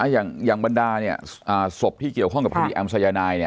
อย่างบรรดาเนี่ยอ่าสบที่เกี่ยวข้องกับธรรมชาติแอมสัยนายเนี่ย